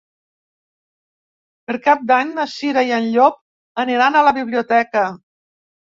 Per Cap d'Any na Cira i en Llop aniran a la biblioteca.